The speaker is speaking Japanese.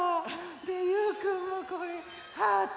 でゆうくんもこれハート。